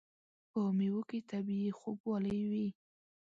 په مېوو کې طبیعي خوږوالی وي.